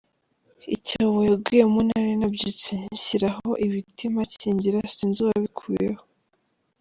Icyobo yaguyemo nari nabyutse nkishyiriraho ibiti mpakingira, sinzi uwabikuyeho”.